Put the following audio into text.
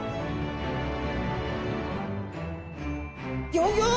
ギョギョ！